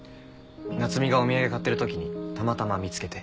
夏海がお土産買ってるときにたまたま見つけて。